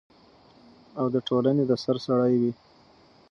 او ټولنې د سر سړی وي،